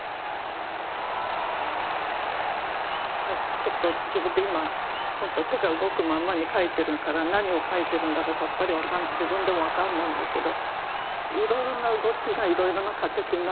ちょっと自分で今ほんと手が動くままに描いてるから何を描いてるんだかさっぱり自分でも分からないんだけどいろいろな動きがいろいろなカタチになっていく。